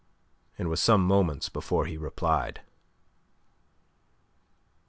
It was some moments before he replied.